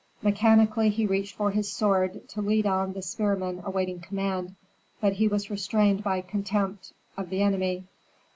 Mechanically he reached for his sword to lead on the spearmen awaiting command, but he was restrained by contempt of the enemy.